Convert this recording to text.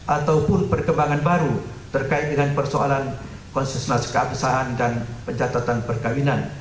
ataupun perkembangan baru terkait dengan persoalan konsentrasi keabsahan dan pencatatan perkawinan